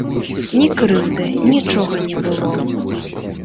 Ні крыўды, нічога не было.